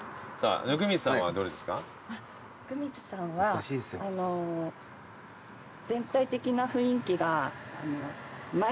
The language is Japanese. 温水さんは全体的な雰囲気が。